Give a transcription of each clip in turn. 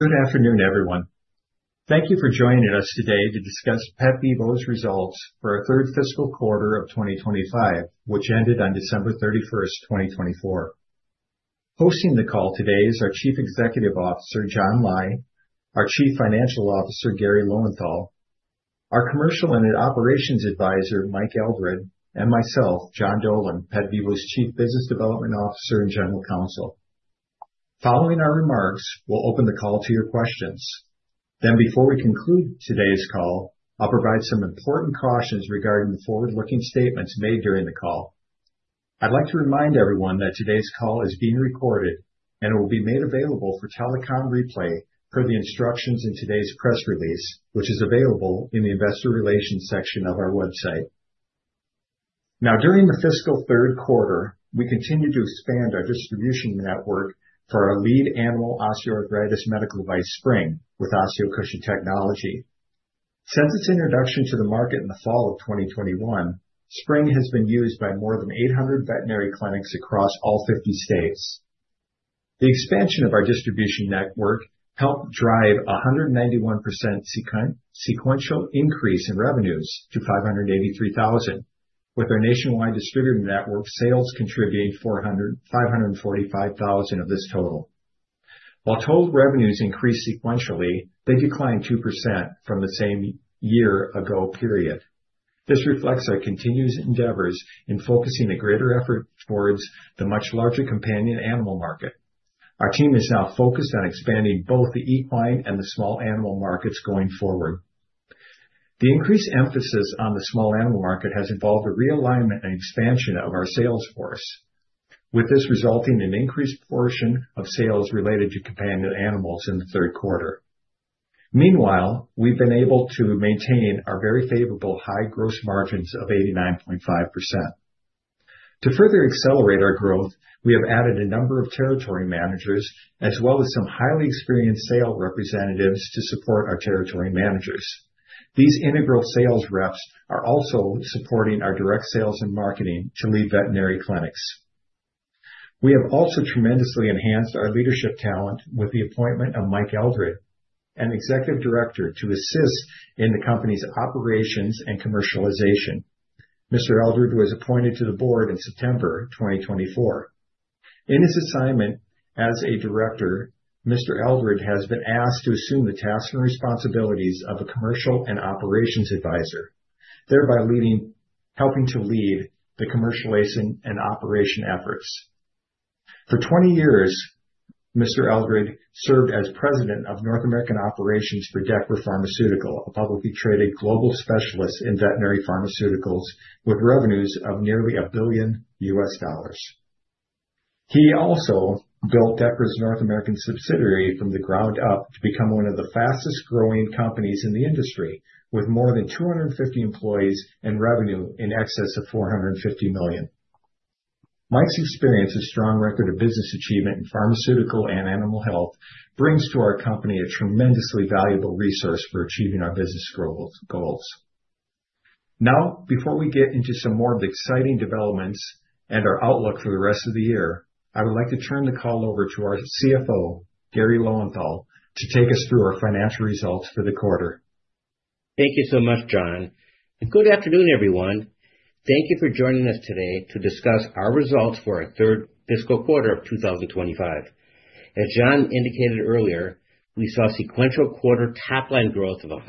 Good afternoon, everyone. Thank you for joining us today to discuss PetVivo's Results For Our Third Fiscal Quarter of 2025, which ended on 31 December 2024. Hosting the call today is our Chief Executive Officer, John Lai, our Chief Financial Officer, Garry Lowenthal, our Commercial and Operations Advisor, Mike Eldred, and myself, John Dolan, PetVivo's Chief Business Development Officer and General Counsel. Following our remarks, we'll open the call to your questions. Before we conclude today's call, I'll provide some important cautions regarding the forward-looking statements made during the call. I'd like to remind everyone that today's call is being recorded, and it will be made available for telecom replay per the instructions in today's press release, which is available in the Investor Relations section of our website. Now, during the fiscal Q3, we continue to expand our distribution network for our lead animal osteoarthritis medical device, Spryng with OsteoCushion technology. Since its introduction to the market in the fall of 2021, Spryng has been used by more than 800 veterinary clinics across all 50 states. The expansion of our distribution network helped drive a 191% sequential increase in revenues to $583,000, with our nationwide distributor network sales contributing $545,000 of this total. While total revenues increased sequentially, they declined 2% from the same year-ago period. This reflects our continuous endeavors in focusing a greater effort towards the much larger companion animal market. Our team is now focused on expanding both the equine and the small animal markets going forward. The increased emphasis on the small animal market has involved a realignment and expansion of our sales force, with this resulting in an increased portion of sales related to companion animals in the Q3. Meanwhile, we've been able to maintain our very favorable high gross margins of 89.5%. To further accelerate our growth, we have added a number of territory managers, as well as some highly experienced sales representatives to support our territory managers. These integral sales reps are also supporting our direct sales and marketing to lead veterinary clinics. We have also tremendously enhanced our leadership talent with the appointment of Mike Eldred, an Executive Director, to assist in the company's operations and commercialization. Mr. Eldred was appointed to the board in September 2024. In his assignment as a Director, Mr. Eldred has been asked to assume the tasks and responsibilities of a Commercial and Operations Advisor, thereby helping to lead the commercialization and operation efforts. For 20 years, Mr. Eldred served as President of North American Operations for Dechra Pharmaceuticals, a publicly traded global specialist in veterinary pharmaceuticals with revenues of nearly $1 billion. He also built Dechra's North American subsidiary from the ground up to become one of the fastest-growing companies in the industry, with more than 250 employees and revenue in excess of $450 million. Mike's experience and strong record of business achievement in pharmaceutical and animal health brings to our company a tremendously valuable resource for achieving our business goals. Now, before we get into some more of the exciting developments and our outlook for the rest of the year, I would like to turn the call over to our CFO, Garry Lowenthal, to take us through our financial results for the quarter. Thank you so much, John. Good afternoon, everyone. Thank you for joining us today to discuss our results for our Third Fiscal Quarter of 2025. As John indicated earlier, we saw sequential quarter top-line growth of 191%,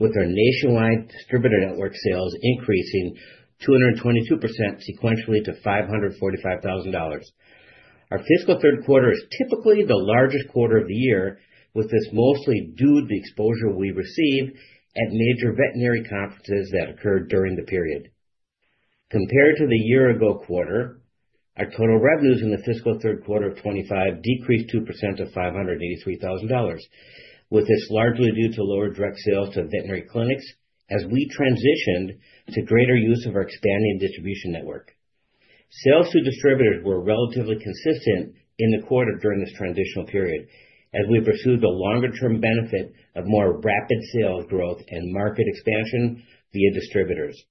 with our nationwide distributor network sales increasing 222% sequentially to $545,000. Our fiscal Q3 is typically the largest quarter of the year, with this mostly due to the exposure we receive at major veterinary conferences that occurred during the period. Compared to the year-ago quarter, our total revenues in the fiscal Q3 of 2025 decreased 2% to $583,000, with this largely due to lower direct sales to veterinary clinics as we transitioned to greater use of our expanding distribution network. Sales to distributors were relatively consistent in the quarter during this transitional period, as we pursued the longer-term benefit of more rapid sales growth and market expansion via distributors.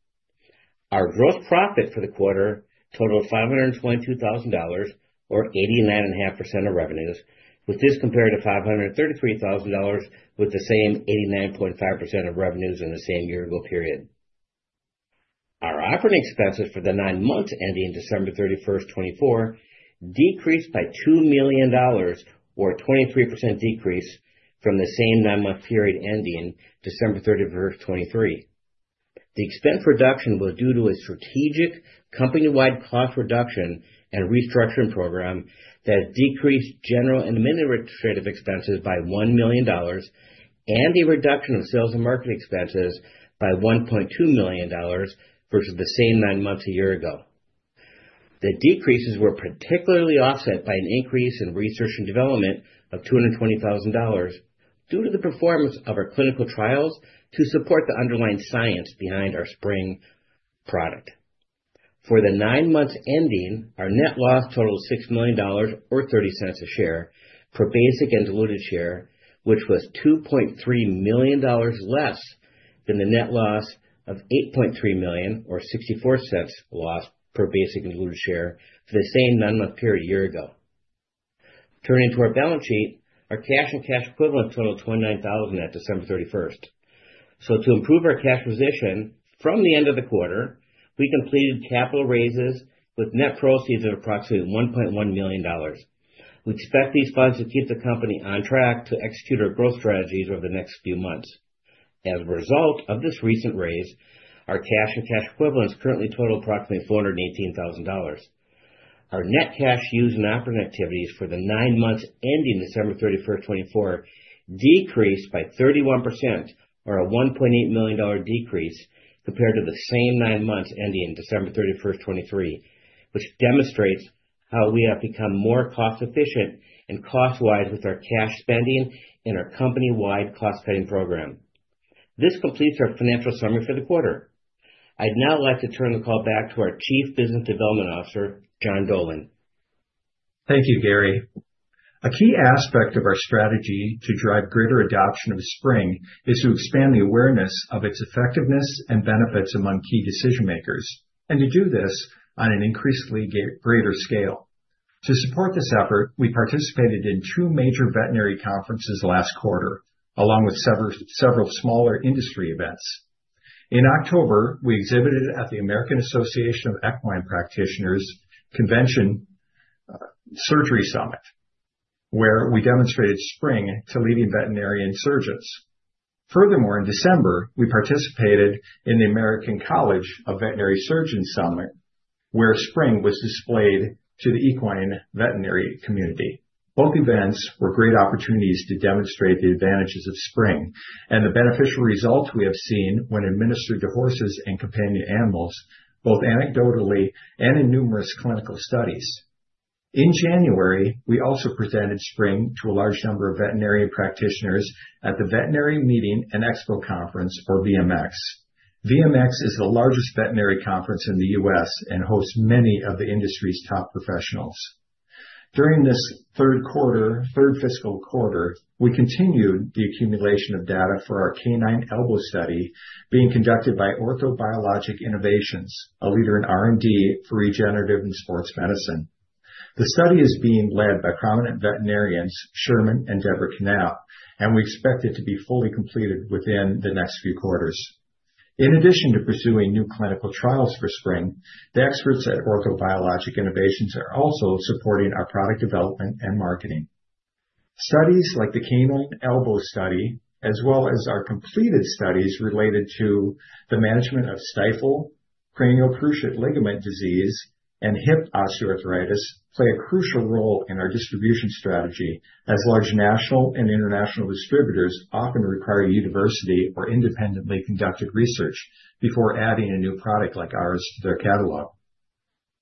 Our gross profit for the quarter totaled $522,000, or 89.5% of revenues, with this compared to $533,000, with the same 89.5% of revenues in the same year-ago period. Our operating expenses for the nine months ending 31 December, 2024 decreased by $2 million, or a 23% decrease from the same 9 month period ending 31 December, 2023. The expense reduction was due to a strategic company-wide cost reduction and restructuring program that decreased general and administrative expenses by $1 million, and a reduction of sales and marketing expenses by $1.2 million versus the same nine months a year ago. The decreases were particularly offset by an increase in research and development of $220,000 due to the performance of our clinical trials to support the underlying science behind our Spryng product. For the 9 months ending, our net loss totaled $6 million, or $0.30 per basic and diluted share, which was $2.3 million less than the net loss of $8.3 million, or $0.64 per basic and diluted share for the same nine-month period a year ago. Turning to our balance sheet, our cash and cash equivalents totaled $29,000 at December 31. To improve our cash position from the end of the quarter, we completed capital raises with net proceeds of approximately $1.1 million. We expect these funds to keep the company on track to execute our growth strategies over the next few months. As a result of this recent raise, our cash and cash equivalents currently total approximately $418,000. Our net cash used in operating activities for the nine months ending 31 December, 2024 decreased by 31%, or a $1.8 million decrease compared to the same nine months ending December 31, 2023, which demonstrates how we have become more cost-efficient and cost-wise with our cash spending and our company-wide cost-cutting program. This completes our financial summary for the quarter. I'd now like to turn the call back to our Chief Business Development Officer, John Dolan. Thank you, Garry. A key aspect of our strategy to drive greater adoption of Spryng is to expand the awareness of its effectiveness and benefits among key decision-makers, and to do this on an increasingly greater scale. To support this effort, we participated in two major veterinary conferences last quarter, along with several smaller industry events. In October, we exhibited at the American Association of Equine Practitioners' Convention Surgery Summit, where we demonstrated Spryng to leading veterinary surgeons. Furthermore, in December, we participated in the American College of Veterinary Surgeons' Summit, where Spryng was displayed to the equine veterinary community. Both events were great opportunities to demonstrate the advantages of Spryng and the beneficial results we have seen when administered to horses and companion animals, both anecdotally and in numerous clinical studies. In January, we also presented Spryng to a large number of veterinarian practitioners at the Veterinary Meeting and Expo Conference, or VMX. VMX is the largest veterinary conference in the U.S. and hosts many of the industry's top professionals. During this Q3, third fiscal quarter, we continued the accumulation of data for our canine elbow study being conducted by Orthobiologic Innovations, a leader in R&D for regenerative and sports medicine. The study is being led by prominent veterinarians, Sherman and Deborah Canapp, and we expect it to be fully completed within the next few quarters. In addition to pursuing new clinical trials for Spryng, the experts at Orthobiologic Innovations are also supporting our product development and marketing. Studies like the canine elbow study, as well as our completed studies related to the management of stifle, cranial cruciate ligament disease, and hip osteoarthritis, play a crucial role in our distribution strategy, as large national and international distributors often require university or independently conducted research before adding a new product like ours to their catalog.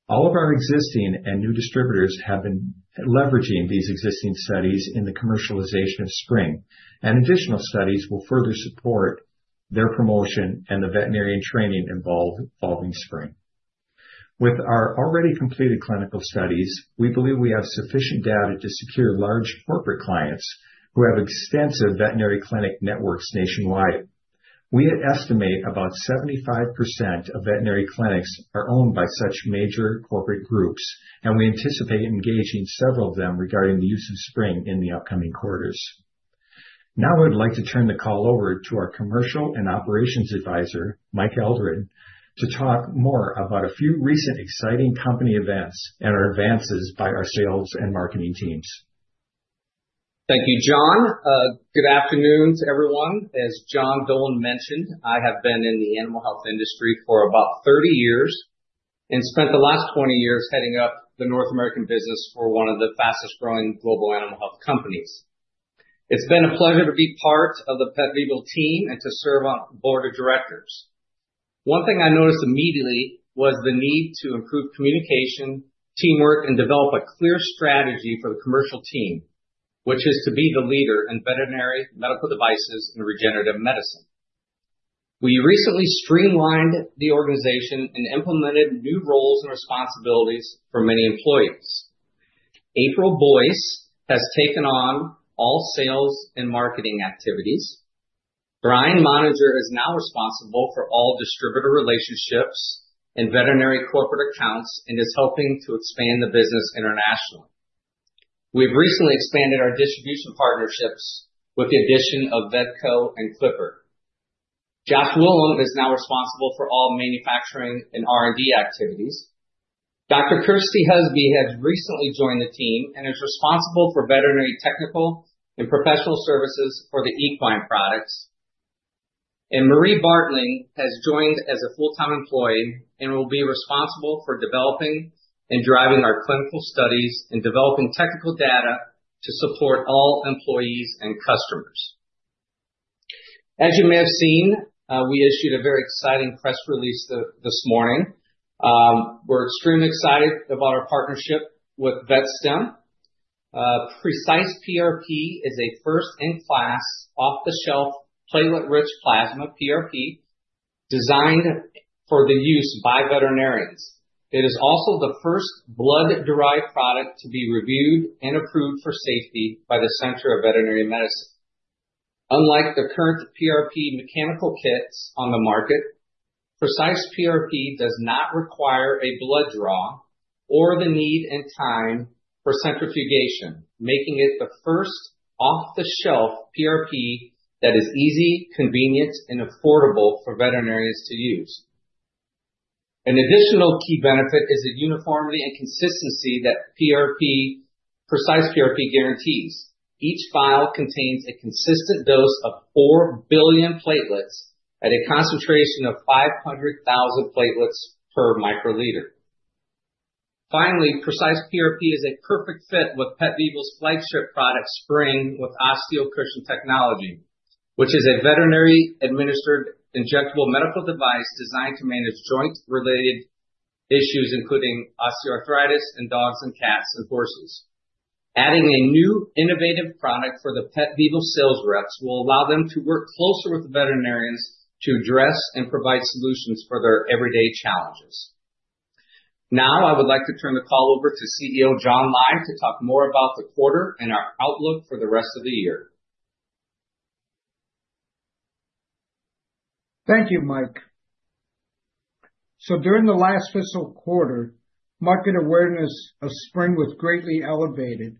All of our existing and new distributors have been leveraging these existing studies in the commercialization of Spryng, and additional studies will further support their promotion and the veterinarian training involved following Spryng. With our already completed clinical studies, we believe we have sufficient data to secure large corporate clients who have extensive veterinary clinic networks nationwide. We estimate about 75% of veterinary clinics are owned by such major corporate groups, and we anticipate engaging several of them regarding the use of Spryng in the upcoming quarters. Now, I would like to turn the call over to our Commercial and Operations Advisor, Mike Eldred, to talk more about a few recent exciting company events and our advances by our sales and marketing teams. Thank you, John. Good afternoon to everyone. As John Dolan mentioned, I have been in the animal health industry for about 30 years and spent the last 20 years heading up the North American business for one of the fastest-growing global animal health companies. It's been a pleasure to be part of the PetVivo team and to serve on the board of directors. One thing I noticed immediately was the need to improve communication, teamwork, and develop a clear strategy for the commercial team, which is to be the leader in veterinary medical devices and regenerative medicine. We recently streamlined the organization and implemented new roles and responsibilities for many employees. April Boyce has taken on all sales and marketing activities. Brian Monego is now responsible for all distributor relationships and veterinary corporate accounts and is helping to expand the business internationally. We've recently expanded our distribution partnerships with the addition of Vedco and Clipper Distributing. Josh Williams is now responsible for all manufacturing and R&D activities. Dr. Kirsty Husby has recently joined the team and is responsible for veterinary technical and professional services for the equine products. Marie Bartling has joined as a full-time employee and will be responsible for developing and driving our clinical studies and developing technical data to support all employees and customers. As you may have seen, we issued a very exciting press release this morning. We're extremely excited about our partnership with VetStem Precise PRP is a first-in-class off-the-shelf platelet-rich plasma PRP designed for the use by veterinarians. It is also the first blood-derived product to be reviewed and approved for safety by the Center for Veterinary Medicine. Unlike the current PRP mechanical kits on the market, Precise PRP does not require a blood draw or the need and time for centrifugation, making it the first off-the-shelf PRP that is easy, convenient, and affordable for veterinarians to use. An additional key benefit is the uniformity and consistency that Precise PRP guarantees. Each vial contains a consistent dose of 4 billion platelets at a concentration of 500,000 platelets per microliter. Finally, Precise PRP is a perfect fit with PetVivo's flagship product, Spryng with OsteoCushion technology, which is a veterinary-administered injectable medical device designed to manage joint-related issues, including osteoarthritis in dogs and cats and horses. Adding a new innovative product for the PetVivo sales reps will allow them to work closer with the veterinarians to address and provide solutions for their everyday challenges. Now, I would like to turn the call over to CEO John Lai to talk more about the quarter and our outlook for the rest of the year. Thank you, Mike. During the last fiscal quarter, market awareness of Spryng was greatly elevated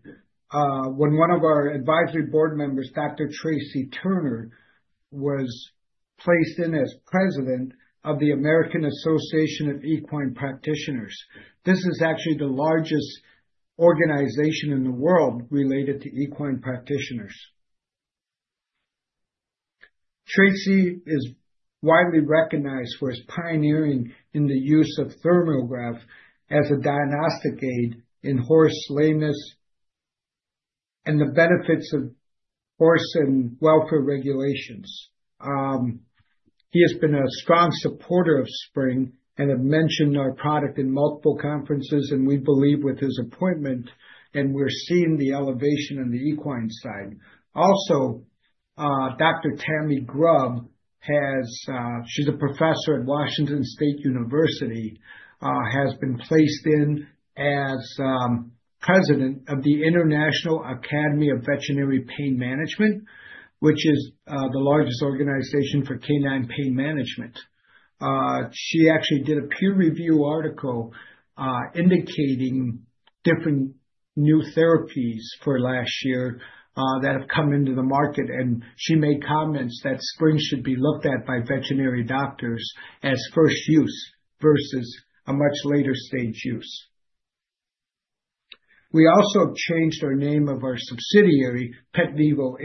when one of our advisory board members, Dr. Tracy Turner, was placed in as president of the American Association of Equine Practitioners. This is actually the largest organization in the world related to equine practitioners. Tracy is widely recognized for his pioneering in the use of thermography as a diagnostic aid in horse lameness and the benefits of horse and welfare regulations. He has been a strong supporter of Spryng and has mentioned our product in multiple conferences, and we believe with his appointment we are seeing the elevation on the equine side. Also, Dr. Tammy Grubb, she's a professor at Washington State University, has been placed in as president of the International Academy of Veterinary Pain Management, which is the largest organization for canine pain management. She actually did a peer-review article indicating different new therapies for last year that have come into the market, and she made comments that Spryng should be looked at by veterinary doctors as first use versus a much later stage use. We also have changed our name of our subsidiary, PetVivo,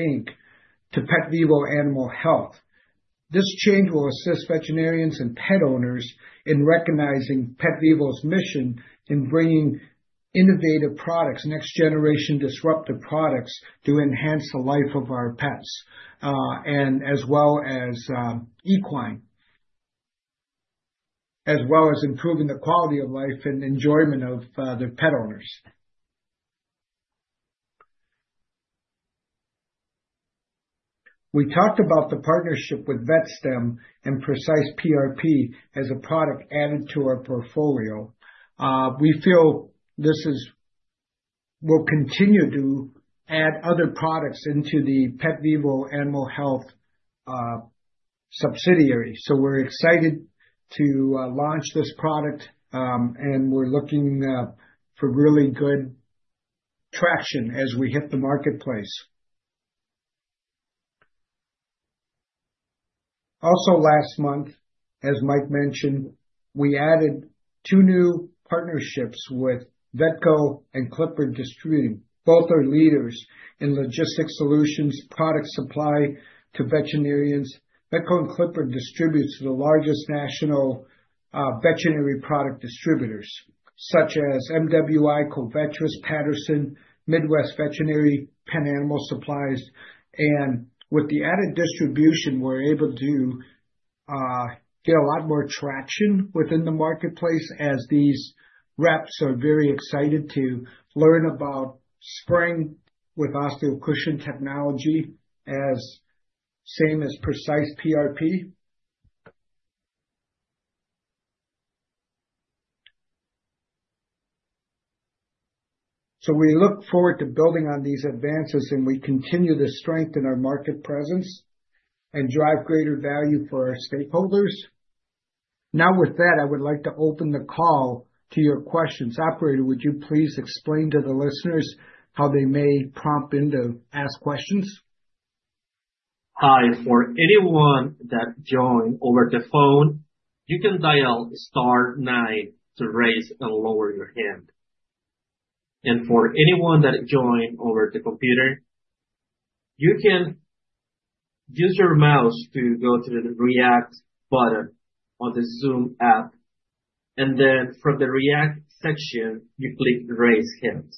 to PetVivo Animal Health. This change will assist veterinarians and pet owners in recognizing PetVivo's mission in bringing innovative products, next-generation disruptive products to enhance the life of our pets and as well as equine, as well as improving the quality of life and enjoyment of the pet owners. We talked about the partnership with VetSTEM and Precise PRP as a product added to our portfolio. We feel this will continue to add other products into the PetVivo Animal Health subsidiary. We're excited to launch this product, and we're looking for really good traction as we hit the marketplace. Also, last month, as Mike mentioned, we added two new partnerships with Vedco and Clipper Distributing. Both are leaders in logistics solutions, product supply to veterinarians. Vedco and Clipper Distributing are the largest national veterinary product distributors, such as MWI Animal Health, Covetrus, Patterson Veterinary, Midwest Veterinary Supply, Pet Animal Supplies. With the added distribution, we're able to get a lot more traction within the marketplace as these reps are very excited to learn about Spryng with OsteoCushion technology as well as Precise PRP. We look forward to building on these advances, and we continue to strengthen our market presence and drive greater value for our stakeholders. Now, with that, I would like to open the call to your questions. Operator, would you please explain to the listeners how they may prompt in to ask questions? Hi. For anyone that joined over the phone, you can dial star nine to raise and lower your hand. For anyone that joined over the computer, you can use your mouse to go to the React button on the Zoom app, and then from the React section, you click raise hand.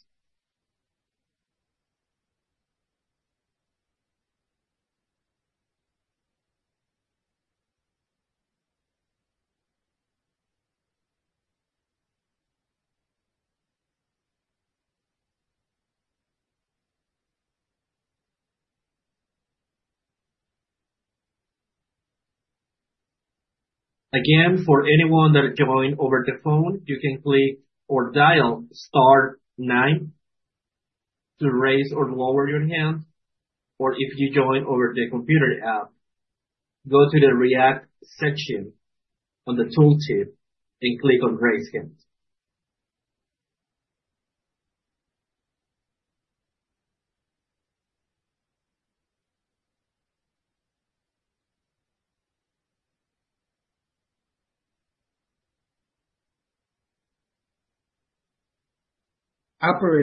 Again, for anyone that joined over the phone, you can dial star nine to raise or lower your hand, or if you joined over the computer app, go to the React section on the tooltip and click on raise hand. Operator.